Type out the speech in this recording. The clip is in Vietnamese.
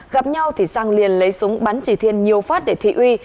gặp nhau thì sang liền lấy súng bắn chỉ thiên nhiều phát để thị uy